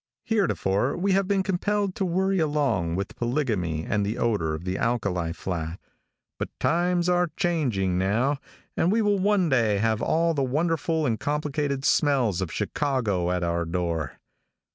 Heretofore we have been compelled to worry along with polygamy and the odor of the alkali flat; but times are changing now, and we will one day have all the wonderful and complicated smells of Chicago at our door.